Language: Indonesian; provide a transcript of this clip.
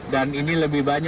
dan ini lebih banyaknya